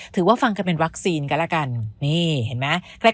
ฟังกันเป็นวัคซีนกันแล้วกันนี่เห็นไหม